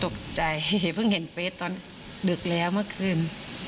ตกใจเพิ่งเห็นเฟสตอนดึกแล้วเมื่อคืน